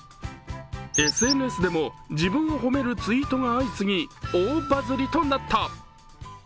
ＳＮＳでも自分を褒めるツイートが相次ぎ大バズりとなった。